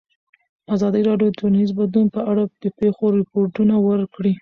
ازادي راډیو د ټولنیز بدلون په اړه د پېښو رپوټونه ورکړي.